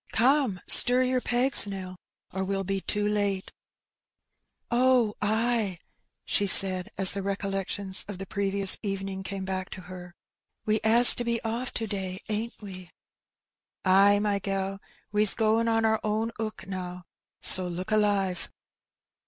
" Come stir your pegs, Nell, or we'll be too late." "Oh, ay," she said as the recollections of the previous evening came back to her. We 'as to be oflF to day, ain't we?" "Ay, my gal, we's goin' on our own 'ook now, so look alive."